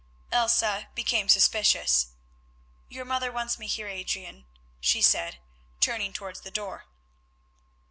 Elsa became suspicious. "Your mother wants me, Heer Adrian," she said, turning towards the door.